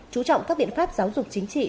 chú trọng các biện pháp giáo dục chính trị